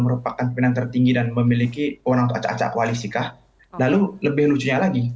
merupakan pimpinan tertinggi dan memiliki orang atau acak acak kualisikah lalu lebih lucunya lagi